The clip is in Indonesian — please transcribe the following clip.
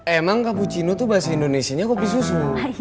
emang cappuccino tuh bahasa indonesia nya kopi susu